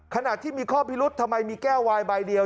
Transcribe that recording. ขณะที่มีข้อพิรุษทำไมมีแก้ววายใบเดียว